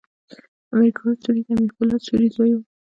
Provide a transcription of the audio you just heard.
امیر کروړ سوري د امیر پولاد سوري زوی ؤ.